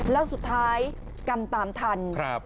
แล้วสุดท้ายกรรมตามทัน